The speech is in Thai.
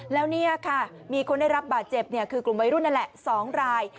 แล้วเนี่ยค่ะมีคนได้รับบาดเจ็บคือกลุ่มวัยรุ่นนั่นแหละ๒ราย